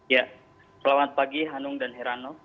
ya selamat pagi hanum dan herano